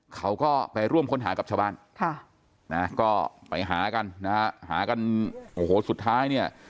เขาก็ไปร่วมค้นหากับชาวบ้านค่ะนะก็ไปหากันนะฮะหากันโอ้โหสุดท้ายเนี่ย